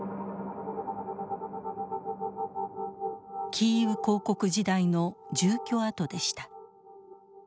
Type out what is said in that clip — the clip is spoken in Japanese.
キーウ公国時代の住居跡でした。